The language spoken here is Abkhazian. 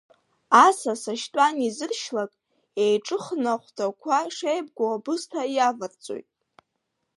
Асас ашьтәа анизыршьлак, еиҿыхны ахәҭақәа шеибгоу абысҭа иаварҵоит.